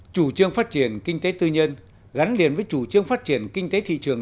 chủ trương phát triển kinh tế tư nhân gắn liền với chủ trương phát triển kinh tế thị trường